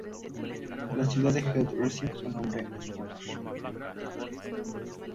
La ciudad de Heath recibe su nombre en su honor.